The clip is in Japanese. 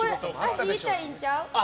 足痛いんちゃう？